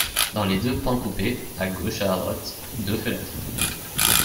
Dans les deux pans coupés, à gauche et à droite, deux fenêtres.